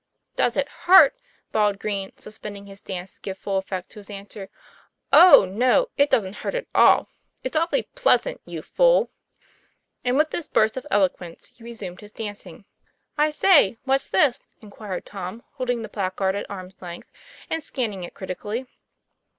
"Does it hurt?" bawled Green, suspending his dance to give full effect to his answer. 'Oh no! it doesn't hurt at all. It's awful pleasant, you fool!" And with this burst of eloquence, he resumed his dancing. "I say, what's this?" enquired Tom, holding the placard at arm's length, and scanning it critic ally.